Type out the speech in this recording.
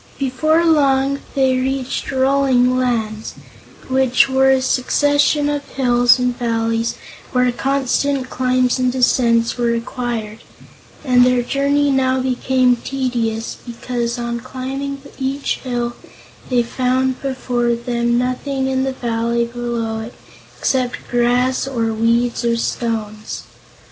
Before long they reached Rolling Lands, which were a succession of hills and valleys where constant climbs and descents were required, and their journey now became tedious, because on climbing each hill, they found before them nothing in the valley below it except grass, or weeds or stones.